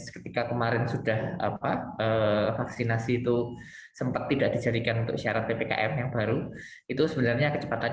ketika sudah tidak menjadi syarat ppkm ini agak lebih lambat